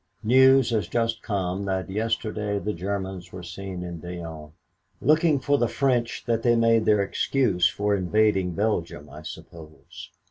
News has just come that yesterday the Germans were seen in Dinant looking for the French that they made their excuse for invading Belgium, I suppose.